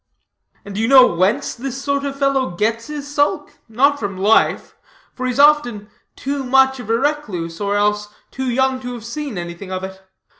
"And do you know whence this sort of fellow gets his sulk? not from life; for he's often too much of a recluse, or else too young to have seen anything of it.